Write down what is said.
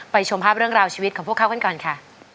ชมภาพเรื่องราวชีวิตของพวกเขากันก่อนค่ะ